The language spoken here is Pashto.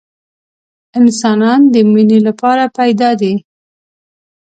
انسانان د مینې لپاره پیدا دي